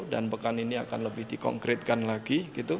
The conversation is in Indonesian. dan pekan ini akan lebih di konkretkan lagi